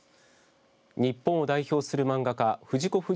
日本を代表する漫画家藤子